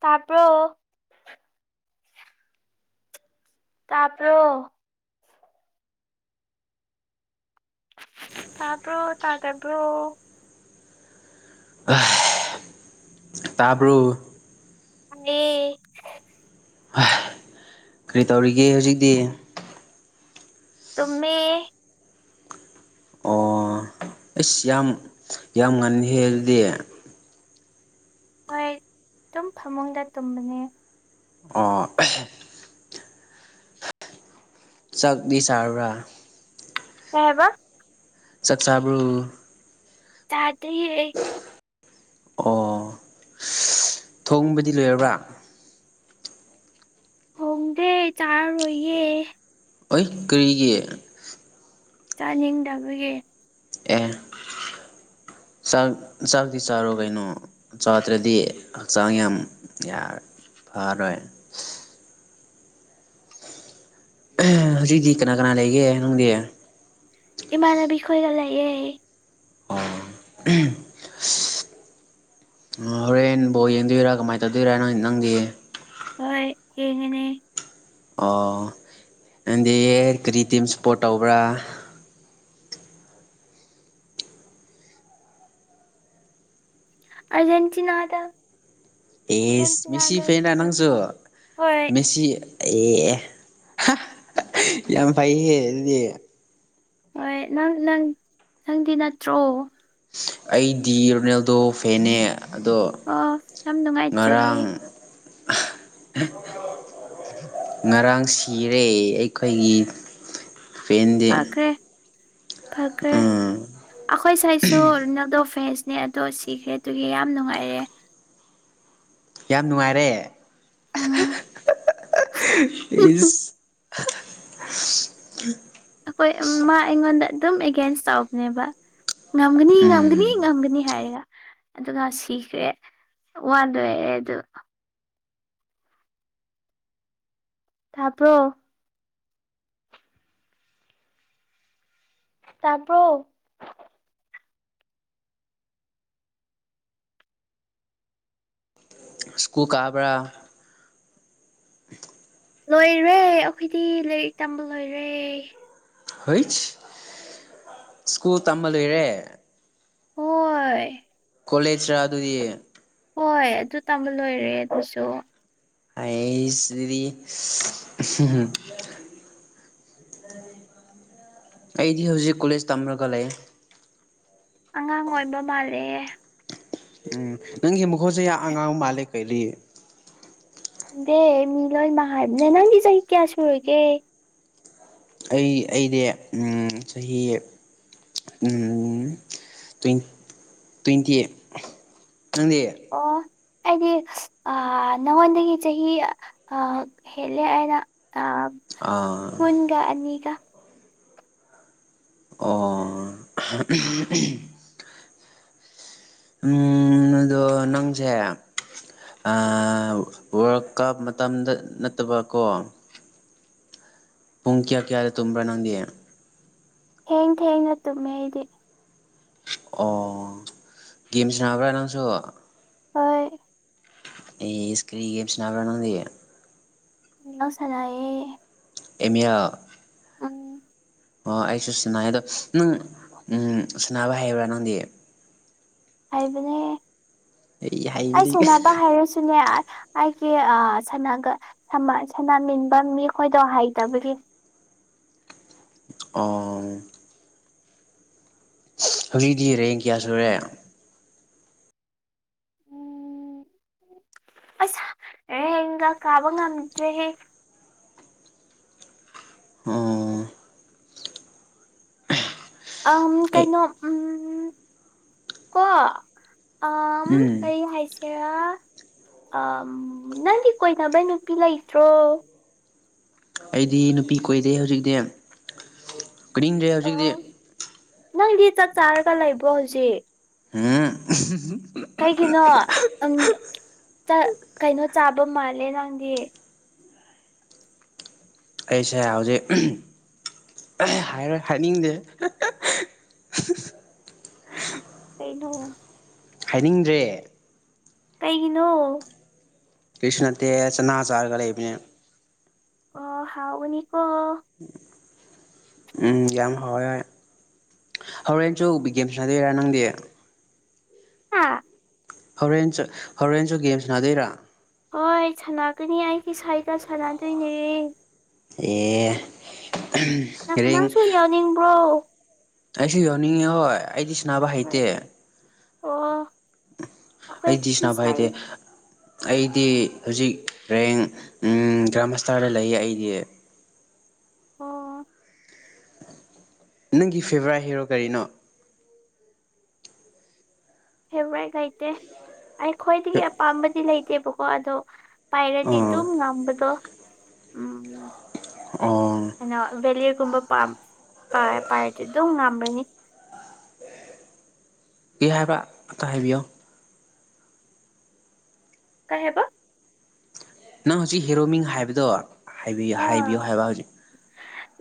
ꯇꯄꯔꯣ ꯇꯄ꯭ꯔꯣ ꯇꯕ꯭ꯔꯣ ꯇꯗꯕꯔꯣ ꯑꯁ ꯇꯥꯕꯔꯣ ꯇꯥꯏꯌꯦ ꯑꯍꯝ ꯀꯔꯤ ꯇꯧꯔꯤꯒꯦ ꯍꯧꯖꯤꯛꯇꯤ ꯇꯨꯝꯃꯦ ꯑꯣ ꯑꯩꯁ ꯌꯥꯝ ꯌꯥꯝ ꯉꯟꯅꯤꯍꯦ ꯑꯗꯨꯗꯤ ꯍꯣꯏ ꯇꯨꯝ ꯐꯃꯨꯡꯗ ꯇꯨꯝꯕꯅꯦ ꯑꯣ ꯑꯁ ꯆꯥꯛꯗꯤ ꯆꯥꯔꯕ꯭ꯔꯥ ꯀꯩ ꯍꯥꯢꯕ ꯆꯥꯛ ꯆꯥꯕꯔꯣ ꯆꯗꯔꯤꯌꯦ ꯑꯩ ꯑꯣ ꯊꯣꯡꯕꯗꯤ ꯂꯣꯏꯔꯕ꯭ꯔꯥ ꯊꯣꯡꯗꯦ ꯆꯥꯔꯔꯣꯏꯌꯦ ꯑꯣꯢ ꯀꯔꯤꯒꯤ ꯆꯥꯅꯤꯡꯗꯕꯒꯤ ꯑꯦ ꯆꯥꯛ ꯆꯥꯛꯇꯤ ꯆꯥꯔꯣ ꯀꯩꯅꯣ ꯆꯥꯗ꯭ꯔꯗꯤ ꯍꯛꯆꯥꯡ ꯌꯥꯝ ꯌꯥꯔꯦꯢ ꯐꯥꯔꯣꯏ ꯑꯍꯝ ꯍꯧꯖꯤꯇꯤ ꯀꯅꯥ ꯀꯅꯥ ꯂꯩꯒꯦ ꯅꯪꯗꯤ ꯏꯃꯥꯟꯅꯕꯤ ꯈꯣꯏꯒ ꯂꯩꯑꯦ [unintelligible] ꯍꯣꯔꯦꯟ ꯕꯣꯜ ꯌꯦꯡꯗꯣꯏꯔꯥ ꯀꯃꯥꯏꯅ ꯇꯧꯗꯣꯏꯔꯥ ꯅꯪꯗꯤ ꯍꯣꯏ ꯌꯦꯡꯉꯤꯅꯤ ꯑꯣ ꯅꯪꯗꯤ ꯀꯔꯤ ꯇꯤꯝ ꯏꯁꯄꯣꯔꯠ ꯇꯧꯕ꯭ꯔꯥ ꯑꯔꯖꯦꯟꯇꯤꯅꯥꯗ ꯑꯦꯁ ꯃꯦꯁꯤ ꯐꯦꯅꯔ ꯁꯞꯄꯣꯔꯠ ꯅꯪꯁꯨ ꯇꯧ ꯍꯣꯏ ꯃꯦꯁꯤ ꯑꯦ ꯍꯥꯍꯥ ꯌꯥꯝ ꯐꯩꯍꯦ ꯑꯗꯨꯗꯤ ꯍꯣꯏ ꯅꯪ ꯅꯪ ꯅꯪꯗꯤ ꯅꯠꯇ꯭ꯔꯣ ꯑꯩꯗꯤ ꯔꯣꯅꯦꯜꯗꯣ ꯐꯦꯟꯅꯦ ꯑꯗꯣ ꯑꯣ ꯌꯥꯝ ꯅꯨꯡꯉꯥꯏꯇ꯭ꯔꯦꯍꯦ ꯉꯔꯥꯡꯍꯥꯍꯥ ꯉꯔꯥꯡ ꯁꯤꯔꯦ ꯑꯩꯈꯣꯏꯒꯤ ꯐꯦꯟꯗꯤ ꯐꯈ꯭ꯔꯦ ꯐꯈ꯭ꯔꯦ ꯎꯝ ꯑꯩꯈꯣꯏꯁꯥꯏꯁꯨ ꯔꯣꯅꯜꯗꯣꯐꯦ ꯐꯦꯁꯅꯦ ꯑꯗꯣ ꯁꯤꯈ꯭ꯔꯦ ꯑꯗꯨꯒꯤ ꯌꯥꯝ ꯅꯨꯡꯉꯥꯏꯔꯦ ꯌꯥꯝ ꯅꯨꯡꯉꯥꯏꯔꯦ ꯎꯝ ꯍꯥ ꯍꯥ ꯏꯁ ꯎ [unintelligible] ꯍꯣꯏ ꯎꯝ ꯃꯥ ꯑꯩꯉꯣꯟꯗ ꯑꯗꯨꯝ ꯑꯦꯒꯦꯟꯁ ꯇꯧꯕꯅꯦꯕ ꯉꯝꯒꯅꯤ ꯎꯝ ꯉꯝꯒꯅꯤ ꯉꯝꯒꯅꯤ ꯍꯥꯏꯌꯦꯒ ꯑꯗꯨꯒ ꯁꯤꯈ꯭ꯔꯦ ꯋꯥꯟꯗꯣꯛꯑꯦ ꯑꯗꯨ ꯇꯥꯕ꯭ꯔꯣ ꯇꯕ꯭ꯔꯣ ꯏꯁ꯭ꯀꯨ ꯀꯕ꯭ꯔꯥ ꯂꯣꯏꯔꯦ ꯑꯩꯈꯣꯏꯗꯤ ꯂꯥꯏꯔꯤꯛ ꯇꯝꯕ ꯂꯣꯏꯔꯦ ꯍꯩꯁ ꯏꯁ꯭ꯀꯨꯜ ꯇꯝꯕꯂꯩꯔꯦ ꯍꯣꯏ ꯀꯣꯂꯦꯖꯔꯥ ꯑꯗꯨꯗꯤ ꯍꯣꯏ ꯑꯗꯨ ꯇꯝꯕ ꯂꯣꯏꯔꯦ ꯑꯗꯨꯁꯨ ꯑꯩꯁ ꯑꯗꯨꯗꯤ ꯍꯝ ꯍꯪ ꯑꯩꯗꯤ ꯍꯧꯖꯤꯛ ꯀꯣꯂꯦꯖ ꯇꯝꯂꯒ ꯂꯩꯌꯦ ꯑꯉꯥꯡ ꯑꯣꯏꯕ ꯃꯥꯜꯂꯦ ꯎꯝ ꯅꯪꯒꯤ ꯃꯈꯣꯜꯁꯦ ꯌꯥꯝ ꯑꯉꯥꯡ ꯃꯥꯂꯦ ꯀꯩꯔꯤ ꯗꯦ ꯃꯤ ꯂꯣꯏꯟꯃꯛ ꯍꯥꯏꯕꯅꯦ ꯅꯪꯗꯤ ꯆꯍꯤ ꯀꯌꯥ ꯁꯨꯨꯔꯒꯦ ꯑꯩ ꯑꯩꯗꯤ ꯎꯝ ꯆꯍꯤ ꯎꯝ ꯇ꯭ꯋꯦꯟ ꯇ꯭ꯋꯦꯟꯇꯤ ꯅꯪꯗꯤ ꯑꯣ ꯑꯩꯗꯤ ꯁ ꯑꯥ ꯅꯉꯣꯟꯗꯒꯤ ꯆꯍꯤ ꯑ ꯍꯦꯜꯂꯦ ꯍꯥꯢꯅ ꯑꯥꯕ ꯑꯥ ꯀꯨꯟꯒ ꯑꯅꯤꯒ ꯑꯣ ꯑꯍ ꯎꯍꯝ ꯎꯍꯝ ꯎꯝ ꯑꯗꯣ ꯅꯪꯖꯦ ꯑ ꯋꯥꯔꯜ ꯀꯞ ꯃꯇꯝꯗ ꯅꯠꯇꯕꯀꯣ ꯄꯨꯡ ꯀꯌꯥ ꯀꯌꯥꯗ ꯇꯨꯝꯕ꯭ꯔꯥ ꯅꯪꯗꯤ ꯊꯦꯡ ꯊꯦꯡꯅ ꯇꯨꯝꯃꯦ ꯑꯩꯗꯤ ꯑꯣ ꯒꯦꯝ ꯁꯥꯅꯕ꯭ꯔꯥ ꯅꯪꯁꯨ ꯍꯣꯏ ꯏꯁ ꯀ꯭ꯔꯤ ꯒꯦꯝ ꯁ꯭ꯅꯥꯕ꯭ꯔꯥ ꯅꯪꯗꯤ [unintelligible] ꯁꯥꯅꯥꯌꯦ ꯑꯦꯝ ꯑꯦꯜ ꯑꯣ ꯑꯩꯁꯨ ꯁꯥꯟꯅꯩ ꯑꯗꯣ ꯅꯪ ꯎꯝ ꯁꯅꯥꯕ ꯍꯩꯕ꯭ꯔꯥ ꯅꯪꯗꯤ ꯍꯩꯕꯅꯦ ꯑꯩ ꯁꯥꯟꯅꯕ ꯍꯩꯔꯁꯨꯅꯦ ꯑꯩꯒꯤ ꯑꯥ ꯁꯥꯟꯅꯒ ꯁꯃꯥ ꯁꯅꯥꯃꯤꯟꯕ ꯃꯤ ꯈꯣꯏꯗꯣ ꯍꯩꯇꯕꯒꯤ ꯑꯣ ꯍꯧꯖꯤꯛꯇꯤ ꯔꯦꯡ ꯀꯌꯥ ꯁꯨꯔꯦ ꯎꯝ ꯑꯁ ꯔꯦꯡꯒ ꯀꯥꯕ ꯉꯝꯗ꯭ꯔꯦꯍꯦ ꯑꯣ ꯑꯝ ꯑꯩ ꯀꯩꯅꯣ ꯎꯝ ꯀꯣ ꯑꯥꯝ ꯎꯝ ꯀꯔꯤ ꯍꯥꯏꯁꯤ ꯁꯦꯔꯥ ꯑꯝ ꯅꯪꯒꯤ ꯀꯣꯏꯅꯕꯩ ꯅꯨꯄꯤ ꯂꯩꯇ꯭ꯔꯣ ꯑꯩꯗꯤ ꯅꯨꯄꯤ ꯀꯣꯏꯗꯦ ꯍꯧꯖꯤꯛꯇꯤ ꯀꯣꯏꯅꯤꯡꯗ꯭ꯔꯦ ꯍꯧꯖꯤꯛꯇꯤ ꯑꯣ ꯅꯪꯗꯤ ꯆꯥꯛ ꯆꯥꯔꯒ ꯂꯩꯕ꯭ꯔꯣ ꯍꯧꯖꯤꯛ ꯎꯝ ꯀꯩꯒꯤꯅꯣ ꯎꯝ ꯆꯥꯛ ꯀꯩꯅꯣ ꯆꯥꯕ ꯃꯥꯜꯂꯦ ꯅꯪꯗꯤ ꯑꯩꯁꯦ ꯍꯧꯖꯤꯛ ꯍꯥꯏꯔꯣꯏ ꯍꯥꯏꯅꯤꯡꯗꯦ [inaudible] ꯀꯩꯅꯣ ꯍꯥꯏꯅꯤꯡꯗ꯭ꯔꯦ ꯀꯩꯒꯤꯅꯣ ꯀꯩꯁꯨ ꯅꯠꯇ ꯆꯅꯥ ꯆꯥꯔꯒ ꯂꯩꯕꯅꯦ ꯑꯣ ꯍꯥꯎꯒꯅꯤꯀꯣ ꯎꯝ ꯌꯥꯝ ꯍꯥꯎꯋꯦ ꯍꯧꯔꯦꯟꯁꯨ ꯕꯤꯒꯦꯝ ꯁꯥꯟꯅꯗꯨꯏꯔꯥ ꯅꯪꯗꯤ ꯍꯥꯥ ꯍꯧꯔꯦꯟꯁꯨ ꯍꯣꯔꯦꯟꯁꯨ ꯒꯦꯝ ꯁꯥꯅꯗꯣꯏꯔꯥ ꯍꯣꯏ ꯁꯥꯟꯅꯒꯅꯤ ꯑꯩꯒꯤ ꯁꯥꯏꯒ ꯁꯥꯟꯅꯗꯨꯏꯅꯦ ꯑꯦ ꯑꯍꯝ ꯅꯪ ꯅꯪꯁꯨ ꯔꯤꯡ ꯌꯥꯎꯅꯤꯡꯕ꯭ꯔꯣ ꯑꯩꯁꯨ ꯌꯥꯎꯅꯤꯡꯉꯤ ꯍꯣꯏ ꯑꯩꯗꯤ ꯁꯥꯟꯅꯕ ꯍꯩꯇꯦ ꯍꯣꯏ ꯑꯣ ꯑꯩꯗꯤ ꯑꯩꯈꯣꯏꯒꯤ ꯁꯥꯟꯅꯕ ꯁꯥꯏ ꯍꯩꯇꯦ ꯑꯩꯗꯤ ꯍꯧꯖꯤꯛ ꯔꯦꯡ ꯎꯝ ꯒ꯭ꯔꯥꯟꯃꯁꯇꯔꯗ ꯂꯩꯌꯦ ꯑꯩꯗꯤ ꯑꯣ ꯅꯪꯒꯤ ꯐꯦꯚꯣꯔꯥꯏꯠ ꯍꯦꯔꯣ ꯀꯔꯤꯅꯣ ꯐꯦꯚꯣꯔꯥꯏꯠ ꯂꯩꯇꯦ ꯑꯩ ꯈ꯭ꯣꯏꯗꯒꯤ ꯑꯄꯥꯝꯕꯗꯤ ꯂꯩꯇꯦꯕꯀꯣ ꯑꯗꯣ ꯄꯥꯏꯔꯗꯤ ꯑꯣ ꯑꯗꯨꯝ ꯉꯝꯕꯗꯣ ꯎꯝ ꯑꯣ ꯀꯩꯅꯣ ꯚꯦꯂꯤꯄ ꯒꯨꯝꯕ ꯄꯥꯝ ꯄꯥꯏ ꯄꯥꯏꯔꯗꯤ ꯑꯗꯨꯝ ꯉꯝꯔꯅꯤ ꯀꯤ ꯍꯥꯏꯕ꯭ꯔꯥ ꯑꯝꯇ ꯍꯥꯏꯕꯤꯌꯣ ꯀꯩ ꯍꯥꯏꯕ ꯅꯪ ꯍꯧꯖꯤꯛ ꯍꯦꯔꯣꯃꯤꯡ ꯍꯥꯏꯕꯗꯣ ꯍꯥꯏꯕꯤꯌꯣ ꯍꯥꯏꯕꯤꯌꯣ ꯍꯥꯏꯕ ꯍꯧꯖꯤꯛ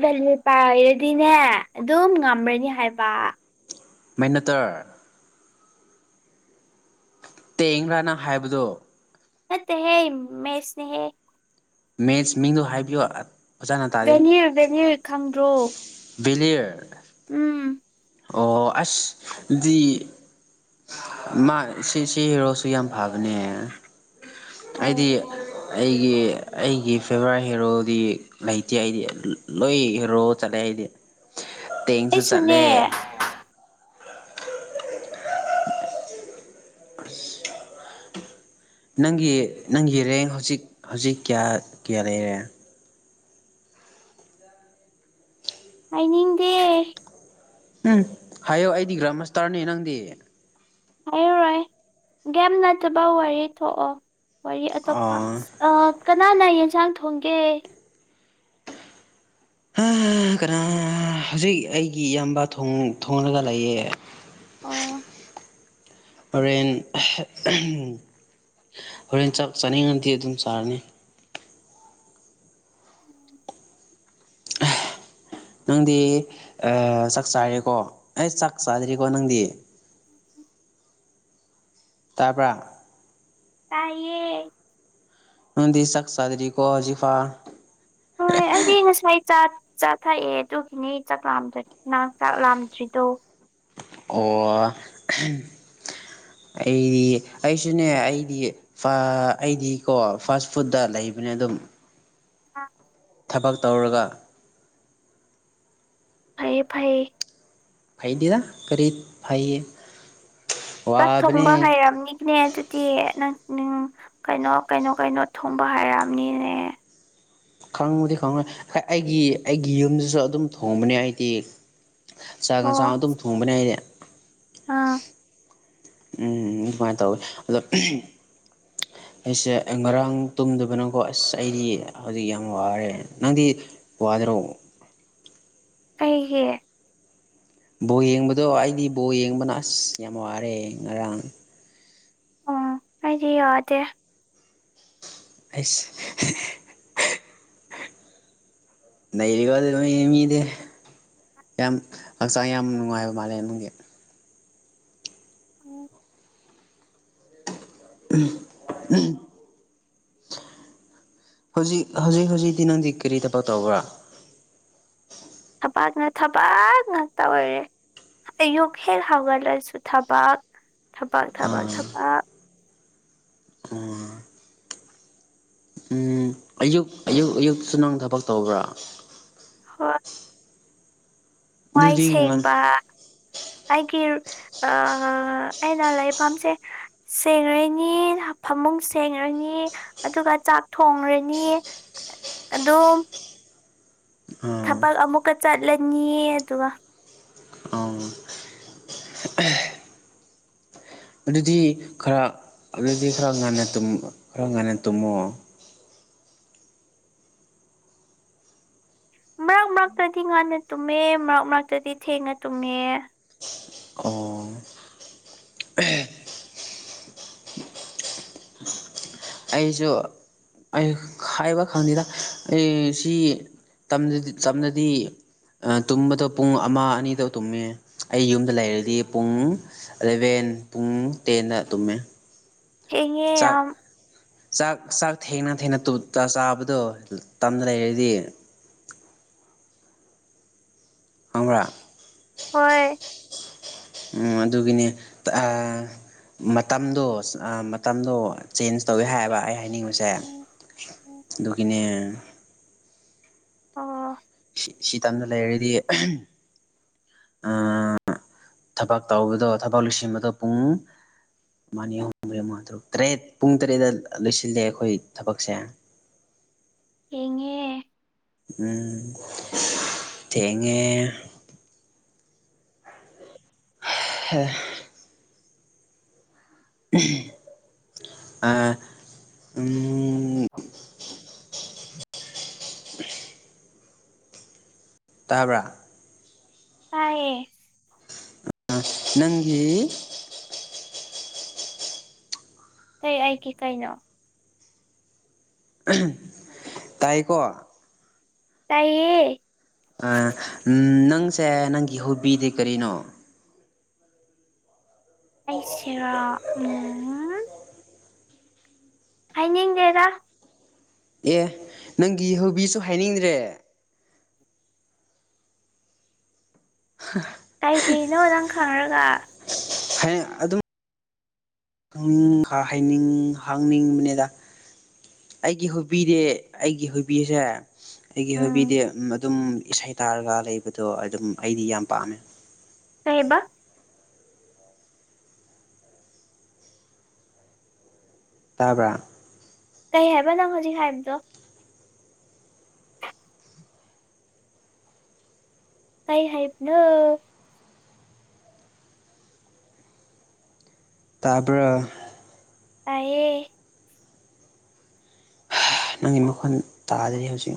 ꯚꯦꯂꯤꯌꯔ ꯄꯥꯏꯔꯗꯤꯅꯦ ꯑꯗꯨꯝ ꯉꯝꯔꯅꯤ ꯍꯥꯏꯕ ꯃꯩꯅꯇꯔ ꯇꯦꯡꯔꯥ ꯅꯪ ꯍꯥꯏꯕꯗꯣ ꯅꯠꯇꯦꯍꯦ ꯃꯦꯁꯅꯦꯍꯦ ꯃꯦꯁ ꯃꯤꯡꯗꯣ ꯍꯥꯏꯕꯤꯌꯣ ꯑ ꯚꯦꯅꯤꯔ ꯚꯦꯅꯤꯔ ꯈꯪꯗ꯭ꯔꯣ ꯕꯦꯂꯤꯌꯔ ꯎꯝ ꯑꯣ ꯑꯁ ꯑꯗꯨꯗꯤ ꯃꯥ ꯁꯤ ꯁꯤ ꯍꯦꯔꯣꯁꯤ ꯌꯥꯝ ꯐꯕꯅꯦ ꯍꯣꯏ ꯑꯩꯗꯤ ꯑꯩꯒꯤ ꯑꯩꯒꯤ ꯐꯦꯚꯣꯔꯥꯏꯠ ꯍꯦꯔꯣꯗꯤ ꯂꯩꯇꯦ ꯑꯩꯗꯤ ꯂꯣꯏ ꯍꯦꯔꯣ ꯆꯠꯂꯦ ꯑꯩꯗꯤ [inaudible] ꯇꯦꯡꯁꯨ ꯑꯩꯁꯨꯅꯦ ꯆꯠꯂꯦ ꯅꯪꯒꯤ ꯅꯪꯒꯤ ꯔꯦꯡ ꯍꯧꯖꯤꯛ ꯍꯧꯖꯤꯛ ꯀꯌꯥ ꯀꯌꯥ ꯂꯩꯔꯦ ꯍꯥꯏꯅꯤꯡꯗꯦ ꯎꯝ ꯍꯥꯏꯌꯣ ꯑꯩꯗꯤ ꯒ꯭ꯔꯥꯟꯃꯁꯇꯔꯅꯦ ꯅꯪꯗꯤ ꯍꯥꯏꯔꯔꯣꯏ ꯒꯦꯝ ꯅꯠꯇꯕ ꯋꯥꯔꯤ ꯊꯣꯛꯑꯣ ꯋꯥꯔꯤ ꯑꯇꯣꯞꯄ ꯑꯣ ꯑ ꯀꯅꯥꯅ ꯌꯦꯟꯁꯥꯡ ꯊꯣꯡꯒꯦ ꯀꯅꯥꯅꯔ ꯍꯧꯖꯤꯛ ꯑꯩꯒꯤ ꯏꯌꯥꯝꯕ ꯊꯣꯡꯂꯒ ꯂꯩꯌꯦ ꯑꯣ ꯍꯣꯔꯦꯟ ꯑꯍꯝ ꯑꯍꯝ ꯍꯣꯔꯦꯟ ꯆꯥꯛ ꯆꯥꯅꯤꯡꯉꯥꯗꯤ ꯑꯗꯨꯝ ꯆꯥꯔꯅꯤ [inaudible] [inaudible] ꯅꯪꯗꯤ ꯑ ꯆꯥꯛ ꯆꯥꯔꯦꯀꯣ ꯑꯩ ꯆꯥꯛ ꯆꯥꯗ꯭ꯔꯤꯀꯣ ꯅꯪꯗꯤ [inaudible] ꯇꯥꯕ꯭ꯔꯥ ꯇꯥꯏꯌꯦ ꯅꯪꯗꯤ ꯆꯥꯛ ꯆꯥꯗꯔꯤꯀꯣ ꯍꯧꯖꯤꯛꯐꯥꯎ ꯍꯣꯏ ꯑꯩꯗꯤ ꯉꯁꯥꯏ ꯆꯥ ꯆꯥ ꯊꯛꯑꯦ ꯑꯗꯨꯒꯤꯅꯦ ꯆꯥꯛ ꯅ ꯆꯥꯛ ꯂꯥꯝꯗ꯭ꯔꯤꯗꯣ ꯑꯣ ꯑꯍꯝ ꯑꯩꯗꯤ ꯑꯩꯁꯨꯅꯦ ꯑꯩꯗꯤ ꯐꯥ ꯑꯩꯗꯤ ꯀꯣ ꯐꯥꯁ ꯐꯨꯗꯠꯗ ꯂꯩ ꯏꯕꯅꯦ ꯑꯗꯨꯝ [unintelligible] ꯊꯕꯛ ꯇꯧꯔꯒ ꯐꯩꯌꯦ ꯐꯩ ꯐꯩꯗꯦꯗ ꯀꯔꯤ ꯐꯩꯌꯦ ꯆꯥꯛ ꯋꯥꯕꯅꯦ ꯊꯣꯡꯕ ꯍꯩꯔꯝꯅꯤꯅꯦ ꯑꯗꯨꯗꯤ ꯅꯪ ꯎꯝ ꯀꯩꯅꯣ ꯀꯩꯅꯣ ꯀꯩꯅꯣ ꯊꯣꯡꯕ ꯍꯥꯏꯔꯝꯅꯤꯅꯦ ꯈꯪꯉꯨꯗꯤ ꯈꯪꯉꯣꯏ ꯑꯩ ꯑꯩꯒꯤ ꯑꯩꯒꯤ ꯌꯨꯝꯗꯁꯨ ꯑꯗꯨꯝ ꯊꯣꯡꯕꯅꯦ ꯑꯩꯗꯤ ꯆꯥꯛ ꯑꯣ ꯌꯦꯟꯁꯥꯡ ꯑꯗꯨꯝ ꯊꯣꯡꯕꯅꯦ ꯑꯩꯗꯤ ꯑꯥ ꯎꯝ ꯑꯗꯨꯃꯥꯏꯅ ꯇꯧꯋꯦ ꯑꯗꯣ [inaudible] ꯑꯩꯁꯦ ꯉꯔꯥꯡ ꯇꯨꯝꯗꯕꯅꯀꯣ ꯑꯁ ꯑꯩꯗꯤ ꯍꯧꯖꯤꯛ ꯌꯥꯝ ꯋꯥꯔꯦ ꯅꯪꯗꯤ ꯋꯥ ꯗ꯭ꯔꯣ ꯀꯩꯒꯤ ꯕꯣ ꯌꯦꯡꯕꯗꯣ ꯑꯩꯗꯤ ꯕꯣ ꯌꯦꯡꯕꯅ ꯑꯁ ꯌꯥꯝ ꯋꯥꯔꯦ ꯉꯔꯥꯡ ꯑꯣ ꯑꯩꯗꯤ ꯋꯥꯗꯦ ꯑꯩꯁ ꯅꯩꯔꯤꯒꯣ ꯑꯗꯨ ꯃꯤ ꯃꯤꯗꯤ ꯌꯥꯝ ꯍꯛꯆꯥꯡ ꯌꯥꯝ ꯅꯨꯡꯉꯥꯏꯕ ꯃꯥꯜꯂꯦ ꯑꯗꯨꯒꯤ ꯎꯝ ꯍꯝ ꯍꯝ ꯍꯧꯖꯤꯛ ꯍꯧꯖꯤꯛ ꯍꯧꯖꯤꯛꯇꯤ ꯅꯪꯗꯤ ꯀꯔꯤ ꯇꯕꯛ ꯇꯧꯕ꯭ꯔꯥ ꯊꯕꯛꯅ ꯊꯕꯛ ꯉꯥꯛꯇ ꯑꯣꯏꯔꯦ ꯑꯌꯨꯛ ꯍꯦꯛ ꯍꯧꯒꯠꯂꯁꯨ ꯊꯕꯛ ꯊꯕꯛ ꯊꯕꯛ ꯑꯥ ꯊꯕꯛ ꯑꯥ ꯎꯝ ꯑꯌꯨꯛ ꯑꯌꯨꯛ ꯑꯌꯨꯛꯁꯨ ꯅꯪ ꯊꯕꯛ ꯇꯧꯕ꯭ꯔꯥ ꯍꯣꯏ ꯋꯥꯏ ꯑꯗꯨꯗꯤ ꯉꯟ ꯁꯦꯡꯕ ꯑꯩꯒꯤ ꯑꯥ ꯑꯩꯅ ꯂꯩꯐꯝꯁꯦ ꯁꯦꯡꯔꯅꯤ ꯐꯃꯨꯡ ꯁꯦꯡꯔꯅꯤ ꯑꯗꯨꯒ ꯆꯥꯛ ꯊꯣꯡꯔꯅꯤ ꯑꯗꯨꯝ ꯑꯥ ꯃꯨꯛꯀ ꯆꯠꯂꯅꯤ ꯑꯗꯨꯒ ꯑꯥ ꯑꯗꯨꯗꯤ ꯈꯔ ꯑꯗꯨꯗꯤ ꯈꯔ ꯉꯟꯅ ꯇꯨꯝ ꯈꯔ ꯉꯟꯅ ꯇꯨꯝꯃꯣ ꯃꯔꯛ ꯃꯔꯛꯇꯗꯤ ꯉꯟꯅ ꯇꯨꯝꯃꯦ ꯃꯔꯛ ꯃꯔꯛꯇꯗꯤ ꯊꯦꯡꯅ ꯇꯨꯝꯃꯦ ꯑꯣ ꯑꯩꯁꯨ ꯑꯩ ꯍꯥꯏꯕ ꯈꯪꯗꯦꯗ ꯑꯩ ꯁꯤ ꯇꯝꯗꯗꯤ ꯇꯝꯗꯗꯤ ꯇꯨꯝꯕꯗꯣ ꯄꯨꯡ ꯑꯃ ꯑꯅꯤꯗꯥ ꯇꯨꯝꯃꯦ ꯑꯩ ꯌꯨꯝꯗ ꯂꯩꯔꯗꯤ ꯄꯨꯡ ꯑꯦꯂꯕꯦꯟ ꯄꯨꯡ ꯇꯦꯟꯗ ꯇꯨꯝꯃꯦ ꯊꯦꯡꯉꯦ ꯆꯥꯛ ꯌꯥꯝ ꯆꯥꯛ ꯆꯥꯛ ꯊꯦꯡꯅ ꯊꯦꯡꯅ ꯇꯨ ꯆꯥꯕꯗꯣ ꯇꯝꯗ ꯂꯩꯔꯗꯤ [inaudible] ꯈꯪꯕ꯭ꯔꯥ ꯍꯣꯏ ꯎꯝ ꯑꯗꯨꯒꯤꯅꯦ ꯑ ꯃꯇꯝꯗꯣ ꯃꯇꯝꯗꯣ ꯆꯦꯟꯖ ꯇꯧꯋꯦ ꯍꯥꯏꯌꯦꯕ ꯑꯩ ꯍꯥꯏꯅꯤꯡꯕꯁꯦ ꯑꯗꯨꯒꯤꯅꯦ ꯑꯣ ꯁꯤꯇꯝꯗ ꯂꯩꯔꯗꯤ ꯑꯥ ꯊꯕꯛ ꯇꯧꯕꯗꯣ ꯊꯕꯛ ꯂꯤꯁꯤꯟꯕꯗꯣ ꯄꯨꯡ ꯑꯃ ꯑꯅꯤ ꯑꯍꯨꯝ ꯃꯔꯤ ꯃꯉꯥ ꯇꯔꯨꯛ ꯇꯔꯦꯠ ꯄꯨꯡ ꯇꯔꯦꯠꯠꯇ ꯂꯣꯏꯁꯤꯜꯂꯦ ꯑꯩꯈꯣꯏ ꯊꯕꯛꯁꯦ ꯊꯦꯡꯉꯦ ꯎꯝ ꯊꯦꯡꯉꯦ ꯍꯦ ꯑꯥ ꯎꯝ ꯇꯕ꯭ꯔꯥ ꯇꯥꯏꯌꯦ ꯑꯥ ꯅꯪꯒꯤ ꯀꯩ ꯑꯩꯒꯤ ꯀꯩꯅꯣ ꯇꯥꯏꯀꯣ ꯇꯥꯏꯌꯦ ꯑꯥ ꯅꯪꯁꯦ ꯅꯪꯒꯤ ꯍꯣꯕꯤꯗꯤ ꯀꯔꯤꯅꯣ ꯑꯩꯁꯤꯔꯣ ꯎꯝ ꯍꯥꯏꯅꯤꯡꯗꯦꯗ ꯑꯦ ꯅꯪꯒꯤ ꯍꯧꯕꯤꯁꯨ ꯍꯥꯏꯅꯤꯡꯗ꯭ꯔꯦ ꯀꯩꯀꯤꯅꯣ ꯅꯪ ꯈꯪꯔꯒ ꯍꯥꯏ ꯑꯗꯨꯝ ꯈꯪꯅꯤꯡ ꯍꯩꯅꯤꯡ ꯍꯥꯡꯅꯤꯡꯕꯅꯦꯗ ꯑꯩꯒꯤ ꯍꯣꯕꯤꯗꯤ ꯑꯩꯒꯤ ꯍꯣꯕꯤꯁꯦ ꯑꯩꯒꯤ ꯎꯝ ꯍꯣꯕꯤꯗꯤ ꯑꯗꯨꯝ ꯏꯁꯩ ꯇꯥꯔꯒ ꯂꯩꯕꯗꯣ ꯑꯗꯨꯝ ꯑꯩꯗꯤ ꯌꯥꯝ ꯄꯥꯝꯃꯦ ꯀꯩꯕ ꯇꯥꯕ꯭ꯔꯥ ꯀꯩ ꯍꯥꯏꯕ ꯅꯪ ꯍꯧꯖꯤꯛ ꯍꯥꯏꯕꯗꯣ ꯀꯩ ꯍꯥꯏꯕꯅꯣ ꯇꯥꯕ꯭ꯔꯥ ꯇꯥꯏꯌꯦ ꯅꯪꯒꯤ ꯃꯈꯣꯟ ꯇꯥꯗꯔꯤ ꯍꯧꯖꯤꯛ